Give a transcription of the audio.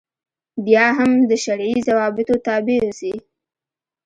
بیا هم د شرعي ضوابطو تابع اوسي.